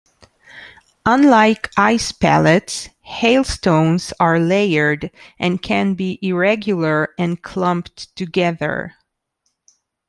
Unlike ice pellets, hailstones are layered and can be irregular and clumped together.